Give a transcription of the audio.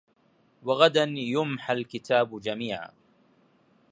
وغدا يمحّي الكتاب جميعا